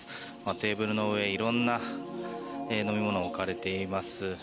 テーブルの上色んな飲み物が置かれています。